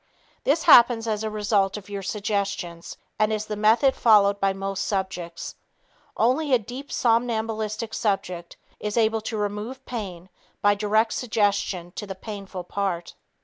This happens as a result of your suggestions and is the method followed by most subjects. Only a deep somnambulistic subject is able to remove pain by direct suggestion to the painful part.